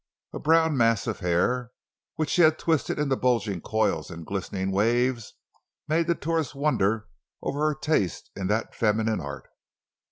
A brown mass of hair, which she had twisted into bulging coils and glistening waves, made the tourist wonder over her taste in that feminine art.